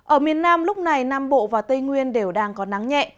ở miền nam lúc này nam bộ và tây nguyên đều đang có nắng nhẹ